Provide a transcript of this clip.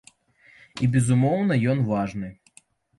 І, безумоўна, ён важны.